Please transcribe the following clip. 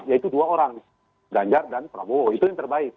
yaitu dua orang ganjar dan prabowo itu yang terbaik